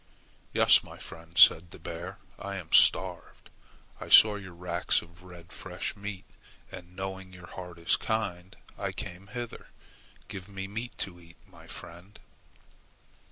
"Yes, my friend," said the bear. "I am starved. I saw your racks of red fresh meat, and knowing your heart is kind, I came hither. Give me meat to eat, my friend."